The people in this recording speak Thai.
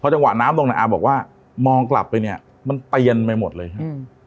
จังหวะน้ำลงในอาบอกว่ามองกลับไปเนี่ยมันเปียนไปหมดเลยครับ